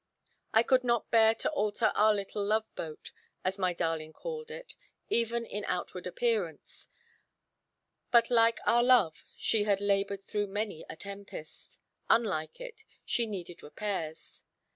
I could not bear to alter our little love boat, as my darling called it, even in outward appearance; but like our love she had laboured through many a tempest; unlike it, she needed repairs.